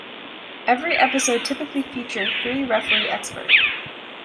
Every episode typically feature three Referee Expert.